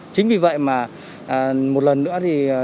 chính vì vậy mà một lần nữa thì